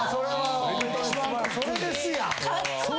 それですやん。